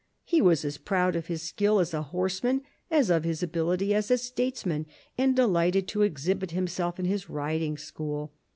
He was as proud of his skill as a horseman as of his ability as a statesman, and de lighted to exhibit himself in his riding school.